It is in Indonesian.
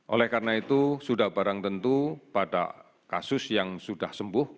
oleh karena itu sudah barang tentu pada kasus yang sudah sembuh